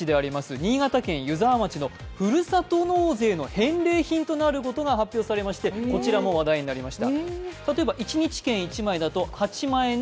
新潟県湯沢町のふるさと納税の返礼品となることが発表されましてこちらも話題になりました。